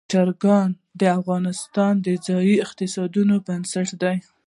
چرګان د افغانستان د ځایي اقتصادونو بنسټ دی.